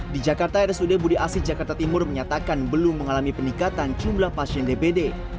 di jakarta rsud budi asi jakarta timur menyatakan belum mengalami peningkatan jumlah pasien dpd